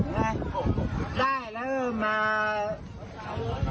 ได้แล้วก็มา